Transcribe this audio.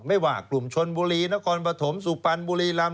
ไม่ว่ากลุ่มชนบุรีนครปฐมสุพรรณบุรีรำ